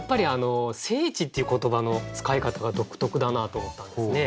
「聖地」っていう言葉の使い方が独特だなと思ったんですね。